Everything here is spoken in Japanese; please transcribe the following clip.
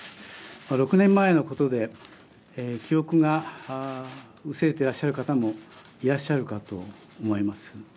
６年前のことで記憶が薄れていらっしゃる方もいらっしゃるかと思います。